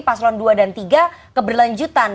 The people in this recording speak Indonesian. paslon dua dan tiga keberlanjutan